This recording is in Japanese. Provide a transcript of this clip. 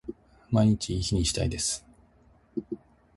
毎日いい日にしたいです